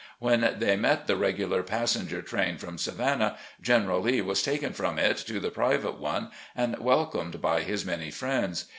When they met the regular passenger train from Savannah, General Lee was taken from it to the pri vate one and welcomed by his many friends.